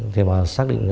thế mà xác định